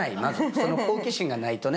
その好奇心がないとね。